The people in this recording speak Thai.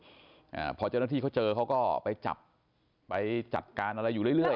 อ่าพอเจ้าหน้าที่เขาเจอเขาก็ไปจับไปจัดการอะไรอยู่เรื่อยเรื่อย